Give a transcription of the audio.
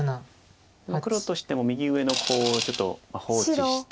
黒としても右上のコウをちょっと放置して。